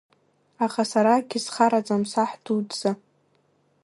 Аха сара акгьы схарам, саҳ дуӡӡа.